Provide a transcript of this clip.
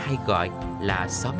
làn th bulletin